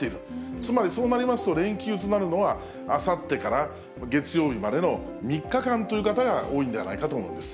つまり、そうなりますと、連休となるのは、あさってから月曜日までの３日間という方が多いんじゃないかと思います。